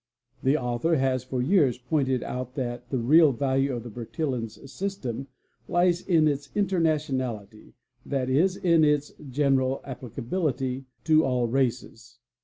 'The author has for years pointed out that the real value of Bertillon's system lies in its internationality, 7.e., in its general applicability to all races.